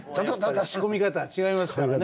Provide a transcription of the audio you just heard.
仕込み方が違いますからね